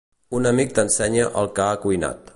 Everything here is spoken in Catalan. Un amic t'ensenya el que ha cuinat